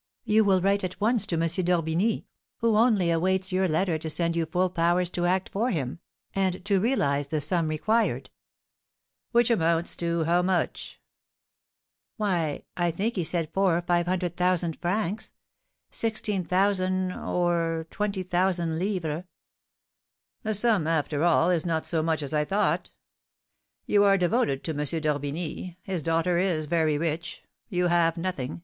You will write at once to M. d'Orbigny, who only awaits your letter to send you full powers to act for him, and to realise the sum required." "Which amounts to how much?" "Why, I think he said four or five hundred thousand francs" (16,000_l._ or 20,000_l._). "The sum, after all, is not so much as I thought. You are devoted to M. d'Orbigny. His daughter is very rich; you have nothing.